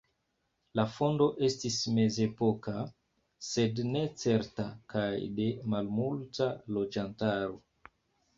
La fondo estis mezepoka, sed ne certa kaj de malmulta loĝantaro.